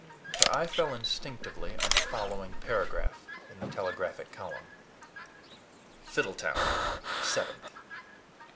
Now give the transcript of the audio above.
Her eye fell instinctively on the following paragraph in the telegraphic column: FIDDLETOWN, 7th.